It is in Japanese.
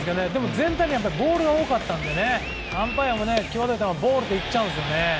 全体的にボールが多かったのでアンパイアもきわどかったらボールって言っちゃうんですよね。